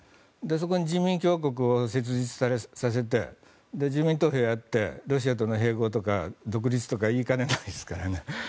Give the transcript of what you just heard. そこに人民共和国を設立させて住民投票やってロシアとの併合とか独立とか言いかねないですね。